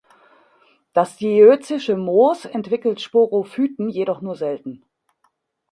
Das diözische Moos entwickelt Sporophyten jedoch nur selten.